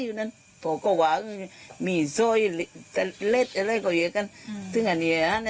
คุณก็ว่าอยู่ในโน้นนั้นอาจรักเขาอะไรราชน์เหล่น